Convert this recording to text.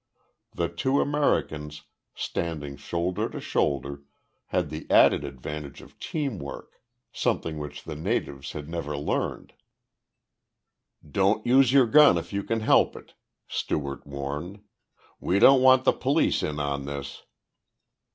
The two Americans, standing shoulder to shoulder, had the added advantage of teamwork something which the natives had never learned. "Don't use your gun if you can help it," Stewart warned. "We don't want the police in on this!"